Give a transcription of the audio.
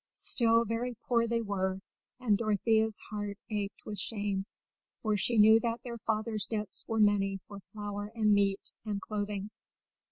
Still, very poor they were, and Dorothea's heart ached with shame, for she knew that their father's debts were many for flour and meat and clothing.